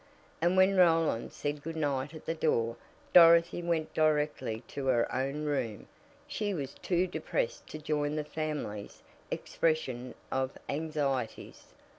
And when Roland said good night at the door Dorothy went directly to her own room she was too much depressed to join the family's expression of anxieties.